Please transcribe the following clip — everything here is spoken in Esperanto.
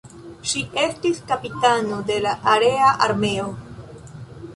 Ŝi estis kapitano de la aera armeo.